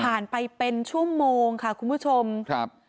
ไปเป็นชั่วโมงค่ะคุณผู้ชมครับ